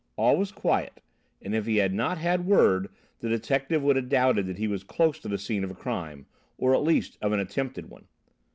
All was quiet, and if he had not had word, the detective would have doubted that he was close to the scene of a crime, or at least of an attempted one.